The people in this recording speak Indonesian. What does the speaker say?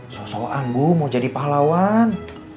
so soan bu mau jadi pahlawan